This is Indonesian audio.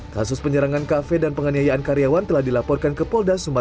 kasus penyerangan kafe dan penganiayaan karyawan telah dilaporkan ke polda sumatera